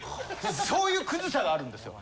そういうクズさがあるんですよ。